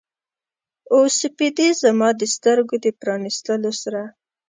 او سپیدې زما د سترګو د پرانیستلو سره